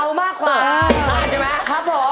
อะไรวะถึงคาด